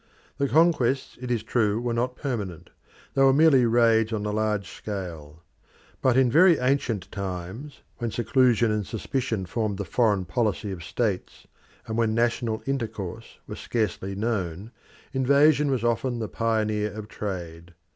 The conquests it is true, were not permanent; they were merely raids on a large scale. But in very ancient times, when seclusion and suspicion formed the foreign policy of states, and when national intercourse was scarcely known, invasion was often the pioneer of trade.